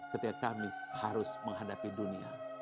ketika kami harus menghadapi dunia